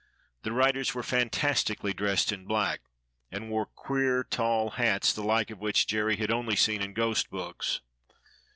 The riders were fantastically dressed in black, and wore queer tall hats the like of which Jerry had only seen in ghost books.